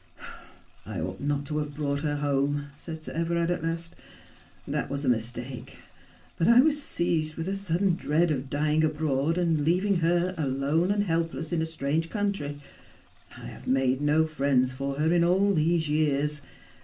' I ought not to have brought her home,' said Sir Everard at last ;' that was a mistake. But I was seized with a sudden dread of dying abroad and leaving her alone and helpless in a strange country. I have made no friends for her in all these years.